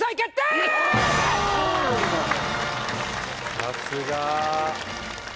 さすが。